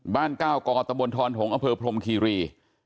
บ้านเก้าก็อตบนทอนหงศ์อ่ะเฟอร์พรมขีรี